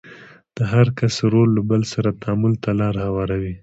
د هر کس رول له بل سره تعامل ته لار هواروي.